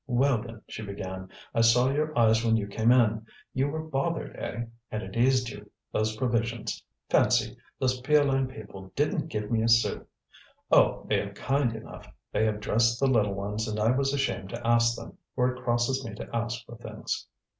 "Well, then," she began, "I saw your eyes when you came in. You were bothered, eh? and it eased you, those provisions. Fancy! those Piolaine people didn't give me a sou! Oh! they are kind enough; they have dressed the little ones and I was ashamed to ask them, for it crosses me to ask for things."